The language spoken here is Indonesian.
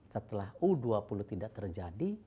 setelah u dua puluh tidak terjadi